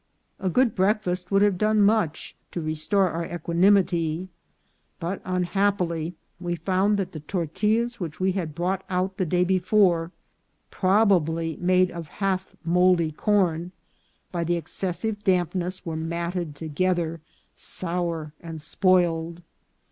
A good breakfast would have done much to restore our equanimity ; but, unhappily, we found that the tor tillas which we had brought out the day before, proba bly made of half mouldy corn, by the excessive damp ness were matted together, sour, and spoiled.